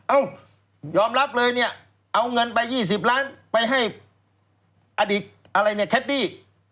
ยอมรับเลยเนี่ยเอาเงินไป๒๐ล้านไปให้อดีตอะไรเนี่ยแคดดี้